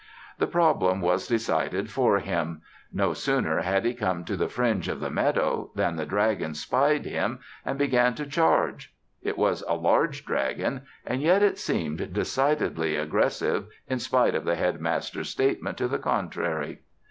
The problem was decided for him. No sooner had he come to the fringe of the meadow than the dragon spied him and began to charge. It was a large dragon and yet it seemed decidedly aggressive in spite of the Headmaster's statement to the contrary.